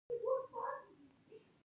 بدخشان د افغانانو د ګټورتیا برخه ده.